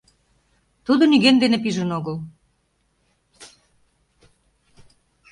Тудо нигӧн дене пижын огыл.